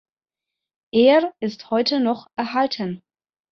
Er ist heute noch erhalten.